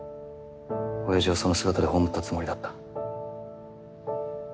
親父をその姿で葬ったつもりだった。